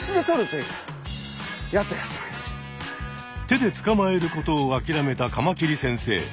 手でつかまえることをあきらめたカマキリ先生。